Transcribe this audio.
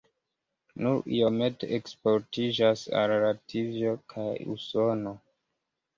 Nur iomete eksportiĝas al Latvio kaj Usono.